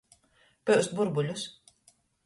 Pyust burbuļus.